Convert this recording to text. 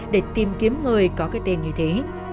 để tìm kiếm người có cái tên như thế